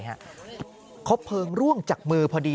พบเพลิงร่วงจากมือพอดี